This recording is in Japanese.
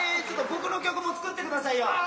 ちょっと僕の曲も作ってくださいよ。